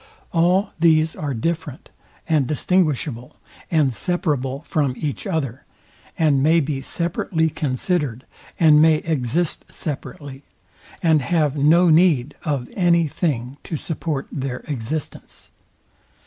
All these are different, and distinguishable, and separable from each other, and may be separately considered, and may exist separately, and have no Deed of tiny thing to support their existence.